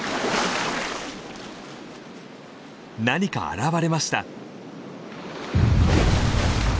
何か現れました。